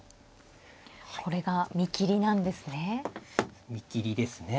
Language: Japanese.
これが見切りなんですね。